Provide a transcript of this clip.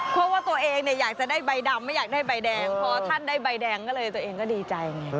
เพราะว่าตัวเองเนี่ยอยากจะได้ใบดำไม่อยากได้ใบแดงพอท่านได้ใบแดงก็เลยตัวเองก็ดีใจไง